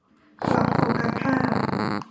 ปรับโฟกัสภาพ